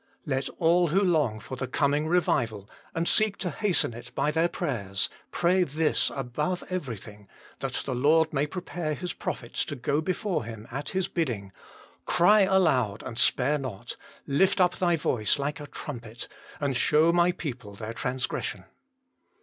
Let all who long for the coming revival, and seek to hasten it by their prayers, pray this above everything, that the Lord may prepare His prophets to go before Him at His bidding :" Cry aloud and spare not, lif t up thy voice like a trumpet, and show My people their transgression."